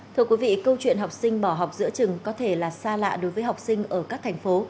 thưa quý vị câu chuyện học sinh bỏ học giữa trường có thể là xa lạ đối với học sinh ở các thành phố